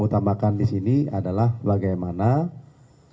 yang utamakan di sini adalah bagaimana para ojek itu mendapatkan suatu perlindungan